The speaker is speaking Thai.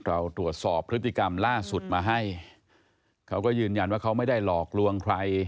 เราตรวจสอบพฤติกรรมล่าสุดมาให้เขาก็ยืนยันว่าเขาไม่ได้หลอกลวงใคร